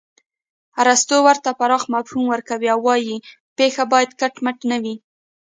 ارستو ورته پراخ مفهوم ورکوي او وايي پېښه باید کټ مټ نه وي